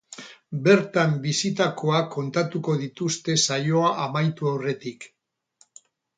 Bertan bizitakoak kontatuko dituzte saioa amaitu aurretik.